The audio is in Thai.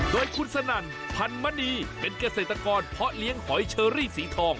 โดยคุณสนั่นพันมณีเป็นเกษตรกรเพาะเลี้ยงหอยเชอรี่สีทอง